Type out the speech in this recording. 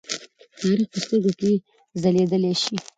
تاریخ په سترګو کې ځليدلی شي.